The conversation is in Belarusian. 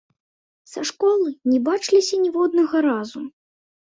Са школы не бачыліся ніводнага разу.